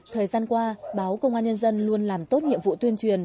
thời gian qua báo công an nhân dân luôn làm tốt nhiệm vụ tuyên truyền